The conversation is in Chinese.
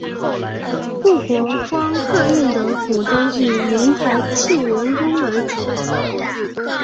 故国光客运的股东以原台汽员工为主。